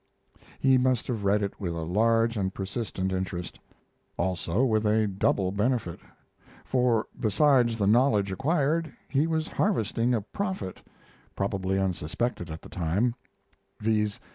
He must have read it with a large and persistent interest; also with a double benefit. For, besides the knowledge acquired, he was harvesting a profit probably unsuspected at the time viz.